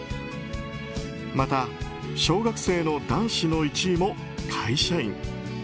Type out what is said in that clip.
また小学生の男子の１位も会社員。